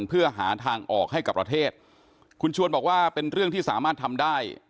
เพื่อหาทางออกให้กับประเทศคุณชวนบอกว่าเป็นเรื่องที่สามารถทำได้